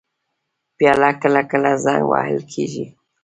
پیاله کله کله زنګ وهل کېږي.